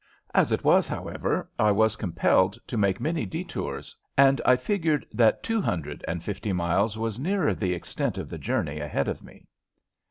As it was, however, I was compelled to make many detours, and I figured that two hundred and fifty miles was nearer the extent of the journey ahead of me.